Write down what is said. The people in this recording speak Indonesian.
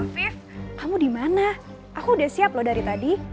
five kamu di mana aku udah siap loh dari tadi